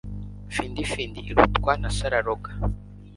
findi findi irutwa na so araroga